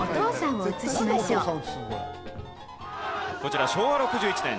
こちら昭和６１年